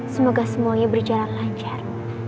semoga semuanya berjalan lancar